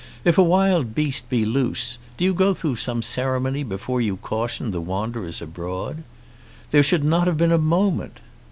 If a wild beast be loose, do you go through some ceremony before you caution the wanderers abroad? There should not have been a moment!